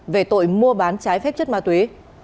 về tội mua bán trái phép chất ma túy